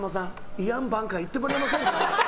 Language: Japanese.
いやん、バンカー言ってもらえませんかって。